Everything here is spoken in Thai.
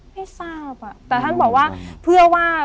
ให้ทราบแต่ท่านบอกว่าเพื่อว่า